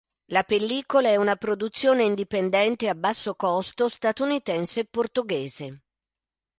La pellicola è una produzione indipendente a basso costo statunitense-portoghese.